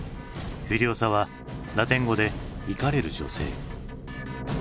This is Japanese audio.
「フュリオサ」はラテン語で「怒れる女性」。